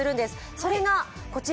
それが、こちら。